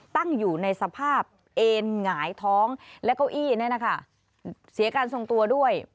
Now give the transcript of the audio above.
ตั้งอยู่ในสภาพเอ็นหงายท้องและเก้าอี้เนี่ยนะคะเสียการทรงตัวด้วย